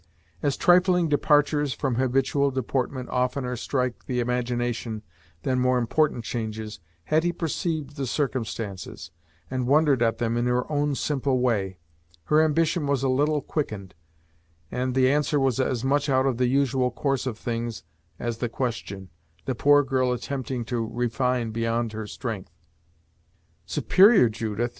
As trifling departures from habitual deportment oftener strike the imagination than more important changes, Hetty perceived the circumstances, and wondered at them in her own simple way. Her ambition was a little quickened, and the answer was as much out of the usual course of things as the question; the poor girl attempting to refine beyond her strength. "Superior, Judith!"